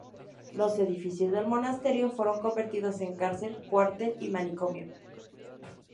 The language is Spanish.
Los edificios del monasterio fueron convertidos en cárcel, cuartel y manicomio.